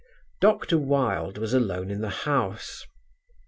Dr. Wilde was alone in the house.